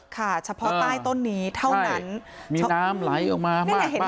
ค่ะเฉพาะใต้ต้นนี้เท่านั้นมีน้ำไหลออกมามาก